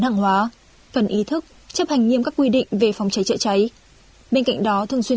hàng hóa cần ý thức chấp hành nhiêm các quy định về phòng cháy chợ cháy bên cạnh đó thường xuyên